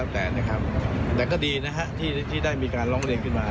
แต่ก็ดีนะครับที่ได้มีการร้องเรียนขึ้นมา